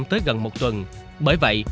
tới gần một tuần bởi vậy